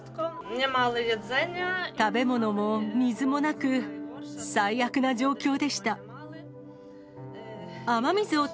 食べ物も水もなく、最悪な状況でした。